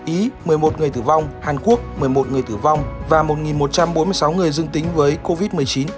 ý một mươi một người tử vong hàn quốc một mươi một người tử vong và một một trăm bốn mươi sáu người dương tính với covid một mươi chín